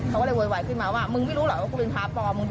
เขาเลยโวยวายขึ้นมาว่ามึงไม่รู้หรอกว่ากูเป็นพาปลอม